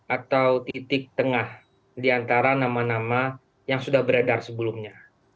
atau titik tengah di antara nama nama yang sudah beredar sebelumnya